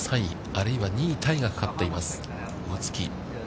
あるいは２位タイがかかっています大槻。